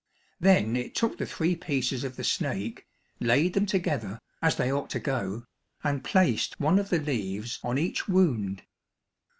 Then it took the three pieces of the snake, laid them together, as they ought to go, and placed one of the leaves on each wound.